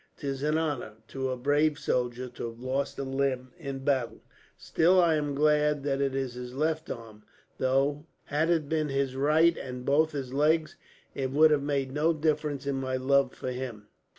'Tis an honour, to a brave soldier, to have lost a limb in battle. Still, I am glad that it is his left arm; though, had it been his right and both his legs, it would have made no difference in my love for him."